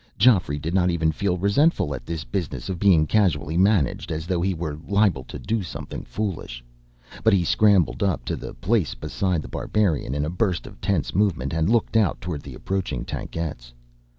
Geoffrey did not even feel resentful at this business of being casually managed, as though he were liable to do something foolish. But he scrambled up to a place beside The Barbarian in a burst of tense movement, and looked out toward the approaching tankettes.